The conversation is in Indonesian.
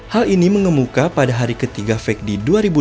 hal ini mengemuka pada hari ketiga fekdi dua ribu dua puluh